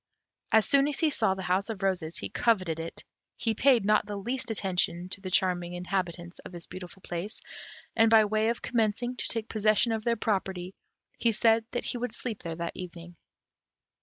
As soon as he saw the House of Roses he coveted it; he paid not the least attention to the charming inhabitants of this beautiful place, and, by way of commencing to take possession of their property, he said that he would sleep there that evening.